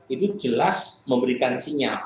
itu jelas memberikan sinyal